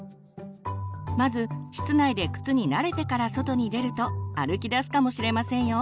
まず室内で靴に慣れてから外に出ると歩きだすかもしれませんよ。